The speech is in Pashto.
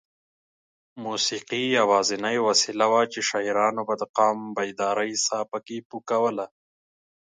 موسېقي یوازینۍ وسیله وه چې شاعرانو به د قام بیدارۍ ساه پکې پو کوله.